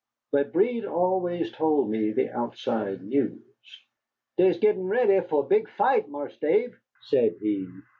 But Breed always told me the outside news. "Dey's gittin' ready fo' a big fight, Marse Dave," said he.